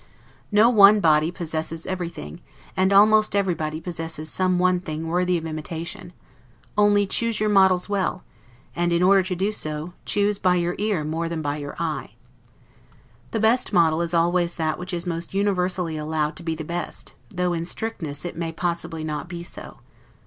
No one body possesses everything, and almost everybody possesses some one thing worthy of imitation: only choose your models well; and in order to do so, choose by your ear more than by your eye. The best model is always that which is most universally allowed to be the best, though in strictness it may possibly not be so.